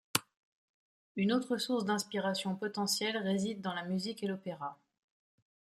Une autre source d'inspiration potentiel réside dans la musique et l'opéra.